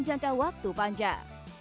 jangka waktu panjang